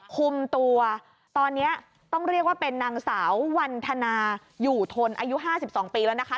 คุมตัวตอนนี้ต้องเรียกว่าเป็นนางสาววันธนาอยู่ทนอายุ๕๒ปีแล้วนะคะ